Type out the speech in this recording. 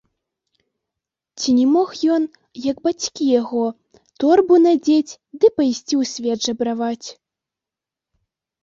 Ці не мог ён, як бацькі яго, торбу надзець ды пайсці ў свет жабраваць?